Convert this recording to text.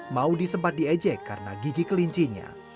maudie sempat diejek karena gigi kelincinya